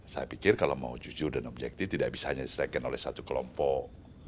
saya pikir kalau mau jujur dan objektif tidak bisa hanya diselesaikan oleh satu kelompok